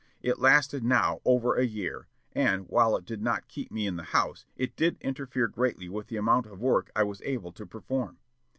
It lasted now over a year, and, while it did not keep me in the house, it did interfere greatly with the amount of work I was able to perform.